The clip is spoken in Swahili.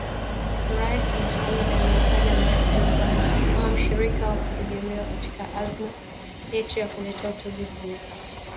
Rais Mohamud ameitaja Marekani kama “mshirika wa kutegemewa katika azma yetu ya kuleta utulivu na mapambano dhidi ya ugaidi”